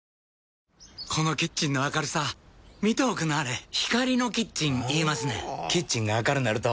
このキッチンの明るさ見ておくんなはれ光のキッチン言いますねんほぉキッチンが明るなると・・・